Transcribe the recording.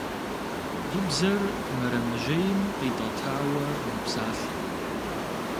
И бзэр мэрэмэжьейм къитӀэтауэ мэпсалъэ.